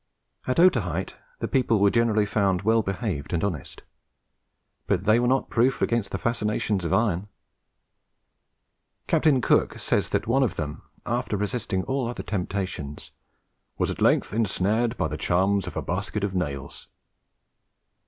At Otaheite the people were found generally well behaved and honest; but they were not proof against the fascinations of iron. Captain Cook says that one of them, after resisting all other temptations, "was at length ensnared by the charms of basket of nails."